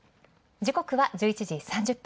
時刻は１１時３０分。